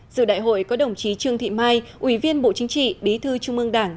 giữa đại hội có đồng chí trương thị mai ủy viên bộ chính trị bí thư trung ương đảng